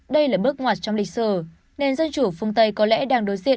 đây là bước ngoặt trong lịch sử nên dân chủ phương tây có lẽ đang đối diện